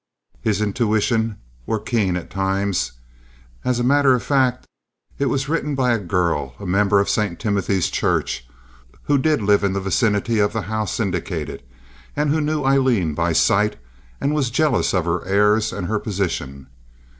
His intuitions were keen at times. As a matter of fact, it was written by a girl, a member of St. Timothy's Church, who did live in the vicinity of the house indicated, and who knew Aileen by sight and was jealous of her airs and her position.